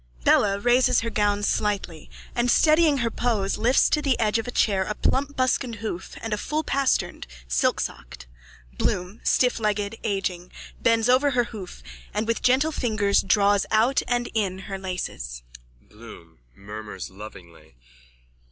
_(Bella raises her gown slightly and, steadying her pose, lifts to the edge of a chair a plump buskined hoof and a full pastern, silksocked. Bloom, stifflegged, aging, bends over her hoof and with gentle fingers draws out and in her laces.)_ BLOOM: _(Murmurs lovingly.)